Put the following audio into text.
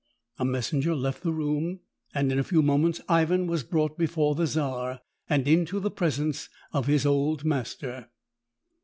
A messenger left the room and in a few moments Ivan was brought before the czar, and into the presence of his old master.